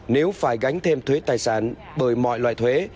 nếu phải gánh thêm thuế tài sản bởi mọi loại thuế